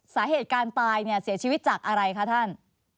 สาเหตุการตายเนี่ยเสียชีวิตจากอะไรคะท่าน